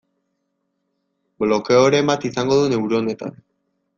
Blokeoren bat izango dut neuronetan.